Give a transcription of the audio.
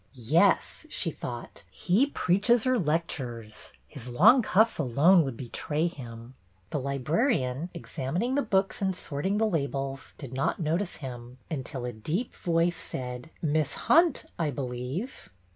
Yes, she thought, he preaches or lectures; his long cuffs alone would betray him. The librarian, examining the books and sort ing the labels, did not notice him, until a deep voice said: Miss Hunt, I believe."